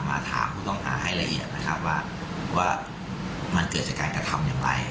มาถามผู้ต้องหาให้ละเอียดนะครับว่ามันเกิดจากการกระทำอย่างไร